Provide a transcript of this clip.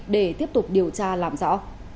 để tiếp tục điều tra làm rõ